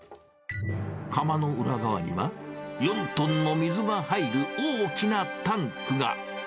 釜の裏側には、４トンの水が入る大きなタンクが。